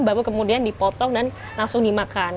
baru kemudian dipotong dan langsung dimakan